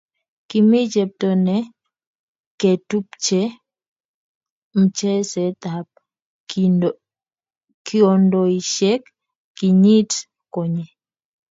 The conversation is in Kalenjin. Kimi chepto ne ketupche mcheset ab kiondoisheck kenyit konye